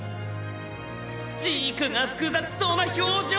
ジークが複雑そうな表情！